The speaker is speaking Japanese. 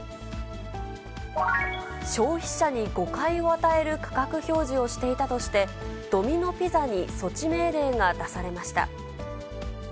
消費者に誤解を与える価格表示をしていたとして、ドミノ・ピザに措置命令が出されました。